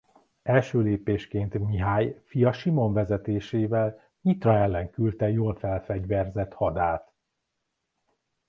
Első lépésként Mihály fia Simon vezetésével Nyitra ellen küldte jól felfegyverzett hadát.